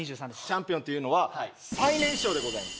チャンピオンっていうのは最年少でございます